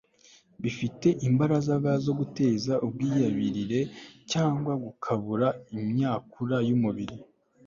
bifite imbaraga zo guteza ubwiyabirire cyangwa gukabura imyakura y'umubiri